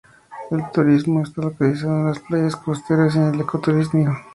El turismo está localizado en las playas costeras y en el eco-turismo.